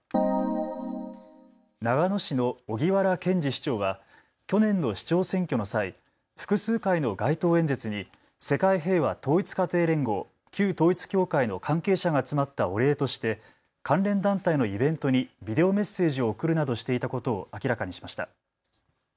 長野市の荻原健司市長は去年の市長選挙の際、複数回の街頭演説に世界平和統一家庭連合、旧統一教会の関係者が集まったお礼として関連団体のイベントにビデオメッセージを送るなどしていたことを明らかにしました。